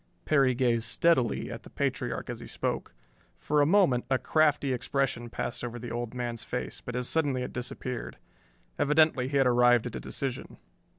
Perry gazed steadily at the patriarch as he spoke. For a moment, a crafty expression passed over the old man's face, but as suddenly it disappeared. Evidently he had arrived at a decision.